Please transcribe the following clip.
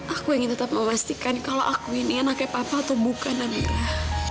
aku ingin tetap memastikan kalau aku ini anaknya papa atau bukan amigrah